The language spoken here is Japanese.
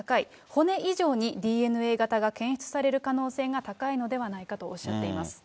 骨以上にＤＮＡ型が検出される可能性が高いのではないかとおっしゃっています。